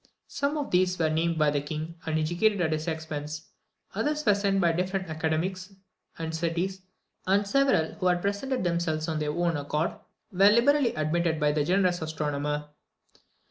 Some of these were named by the King, and educated at his expense. Others were sent by different academies and cities; and several, who had presented themselves of their own accord, were liberally admitted by the generous astronomer.